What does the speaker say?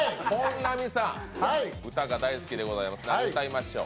歌が大好きでございます、何を歌いましょう？